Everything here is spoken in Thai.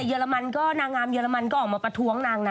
เรมันก็นางงามเรมันก็ออกมาประท้วงนางนะ